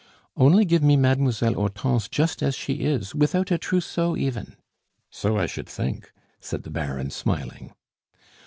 "Only give me Mademoiselle Hortense just as she is, without a trousseau even " "So I should think!" said the Baron, smiling.